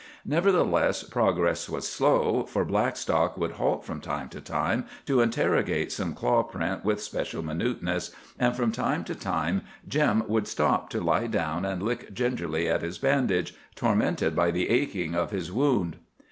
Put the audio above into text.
Nevertheless, progress was slow, for Blackstock would halt from time to time to interrogate some claw print with special minuteness, and from time to time Jim would stop to lie down and lick gingerly at his bandage, tormented by the aching of his wound.